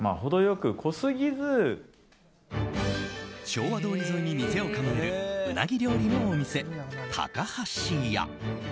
昭和通り沿いに店を構えるウナギ料理のお店、高橋屋。